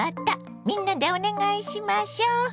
みんなでお願いしましょ。